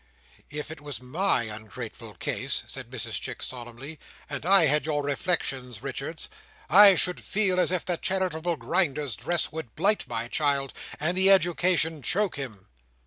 "If it was my ungrateful case," said Mrs Chick, solemnly, "and I had your reflections, Richards, I should feel as if the Charitable Grinders' dress would blight my child, and the education choke him."